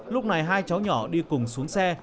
lúc này hai cháu nhỏ đi cùng xuống xe